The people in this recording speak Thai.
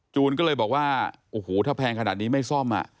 ก็เลยบอกว่าโอ้โหถ้าแพงขนาดนี้ไม่ซ่อม